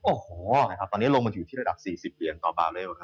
โอ้โหตอนนี้ลงมาอยู่ที่ระดับ๔๐เหรียญต่อบาร์เรล